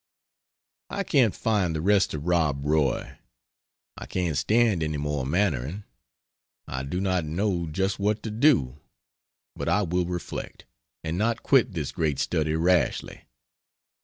I can't find the rest of Rob Roy, I can't stand any more Mannering I do not know just what to do, but I will reflect, and not quit this great study rashly.